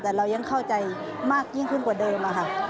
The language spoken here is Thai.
แต่เรายังเข้าใจมากยิ่งขึ้นกว่าเดิมค่ะ